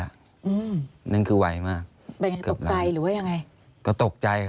อันดับ๖๓๕จัดใช้วิจิตร